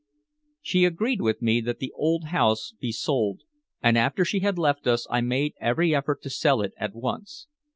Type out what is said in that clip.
She agreed with me that the house be sold, and after she had left us I made every effort to sell it at once.